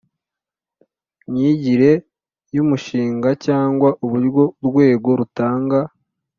Myigire y umushinga cyangwa uburyo urwego rutanga